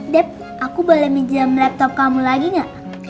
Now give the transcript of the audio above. deb aku boleh minjam laptop kamu lagi gak